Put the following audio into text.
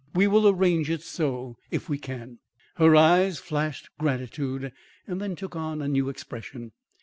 We will arrange it so, if we can." Her eyes flashed gratitude, then took on a new expression.